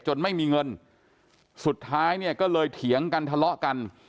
ไม่มีเงินสุดท้ายเนี่ยก็เลยเถียงกันทะเลาะกัน